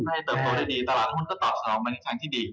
ให้เติบโตได้ดีตลาดหุ้นก็ตอบสนองมาในทางที่ดี